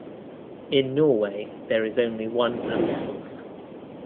In Norway there is only one police force.